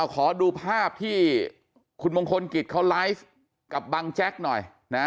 ขอดูภาพที่คุณมงคลกิจเขาไลฟ์กับบังแจ๊กหน่อยนะ